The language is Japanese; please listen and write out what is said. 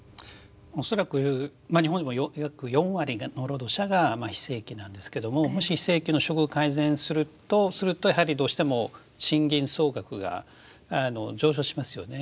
恐らく日本は今約４割の労働者が非正規なんですけどももし非正規の処遇を改善するとするとやはりどうしても賃金総額が上昇しますよね。